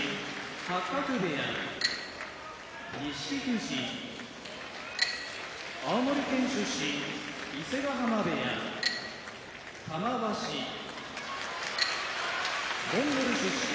八角部屋錦富士青森県出身伊勢ヶ濱部屋玉鷲モンゴル出身